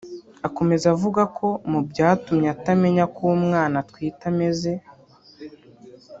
Akomeza avuga ko mu byatumye atamenya ko umwana atwite ameze